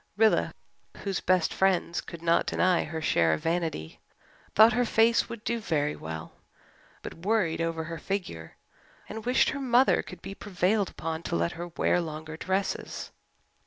Rilla, whose best friends could not deny her share of vanity, thought her face would do very well, but worried over her figure, and wished her mother could be prevailed upon to let her wear longer dresses.